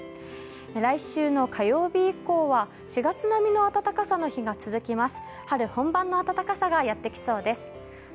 来週の火曜日以降は４月並みの暖かさの日が続きます。